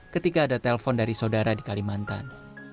ketika ada telpon dari saudara di kalimantan